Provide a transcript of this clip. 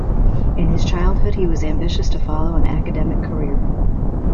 In his childhood he was ambitious to follow an academic career.